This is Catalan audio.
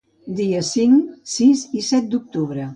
Dies cinc, sis i set d’octubre.